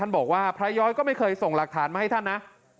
บอกว่าพระย้อยก็ไม่เคยส่งหลักฐานมาให้ท่านนะ